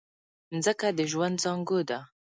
مځکه د ژوند زانګو ده.